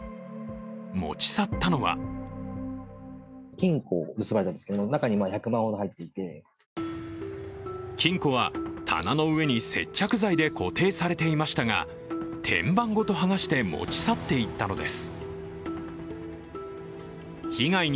持ち去ったのは金庫は棚の上に接着剤で固定されていましたが、天板ごと剥がして持ち去っていったのです。